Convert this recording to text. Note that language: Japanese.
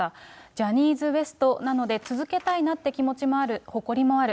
ジャニーズＷＥＳＴなので続けたいなって気持ちもある、誇りもある。